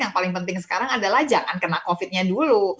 yang paling penting sekarang adalah jangan kena covid nya dulu